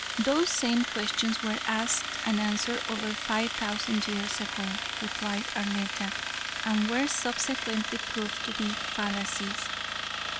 "Those same questions were asked and answered over five thousand years ago," replied Arletta, "and were subsequently proved to be fallacies.